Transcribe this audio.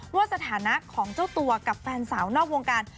สถานะของเจ้าตัวกับแฟนสาวนอกวงการ